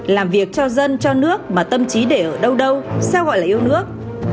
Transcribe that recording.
làm việc cho dân cho nước mà tâm trí để ở đâu đâu sao gọi là yêu nước